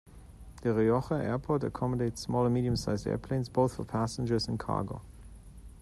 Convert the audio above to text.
The Rioja Airport accommodates small and medium sized airplanes, both for passengers and cargo.